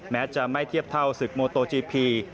แม้จะไม่เทียบเท่าศึกโมโตจีพี